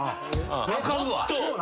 分かるわ。